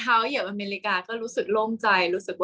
กากตัวทำอะไรบ้างอยู่ตรงนี้คนเดียว